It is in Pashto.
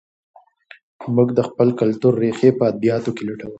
موږ د خپل کلتور ریښې په ادبیاتو کې لټوو.